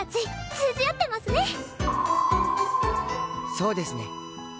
そうですね。